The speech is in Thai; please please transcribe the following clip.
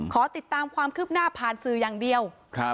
ขอติดตามความคืบหน้าผ่านสื่ออย่างเดียว